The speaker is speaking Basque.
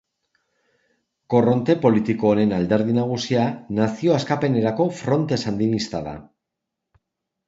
Korronte politiko honen alderdi nagusia Nazio Askapenerako Fronte Sandinista da.